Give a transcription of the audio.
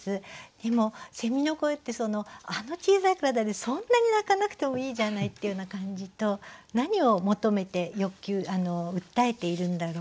でもの声ってあの小さい体でそんなに鳴かなくてもいいじゃないっていうような感じと何を求めて欲求訴えているんだろう。